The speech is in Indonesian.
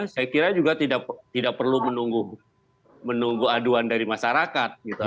saya kira juga tidak perlu menunggu aduan dari masyarakat